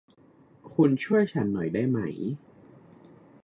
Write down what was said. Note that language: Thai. คุณช่วยฉันหน่อยได้ไหม ?